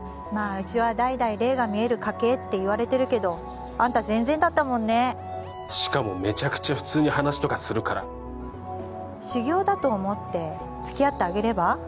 うちは代々霊が見える家系って言われてるけどあんた全然だったもんねしかもめちゃくちゃ普通に話とかするから修行だと思ってつきあってあげれば？